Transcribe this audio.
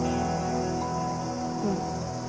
うん。